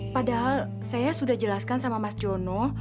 padahal saya sudah jelaskan sama mas jono